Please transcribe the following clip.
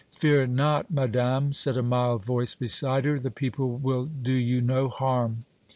"Fear not, Madame," said a mild voice beside her. "The people will do you no harm."